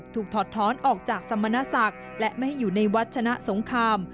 ถอดท้อนออกจากสมณศักดิ์และไม่ให้อยู่ในวัดชนะสงคราม